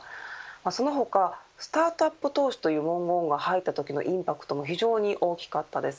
その他スタートアップ投資という文言が入ったときのインパクトも非常に大きかったです。